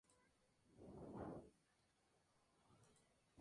Sus novelas más populares fueron, "El triunfo del Amor" y "La ruta del olvido".